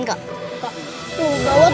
siapa pernah nibuk itu